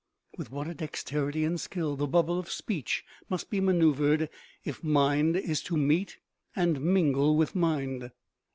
With what a dexterity and skill the bubble of speech must be maneuvered if mind is to meet and mingle with mind.